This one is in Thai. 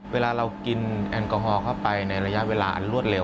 เวลาเรากินแอลกอฮอลเข้าไปในระยะเวลาอันรวดเร็